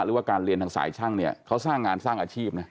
หรือว่าการเรียนทางสายช่างเนี่ยเขาสร้างงานสร้างอาชีพนะ